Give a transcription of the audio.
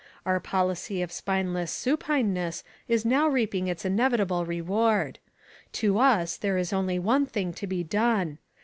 Our policy of spineless supineness is now reaping its inevitable reward. To us there is only one thing to be done.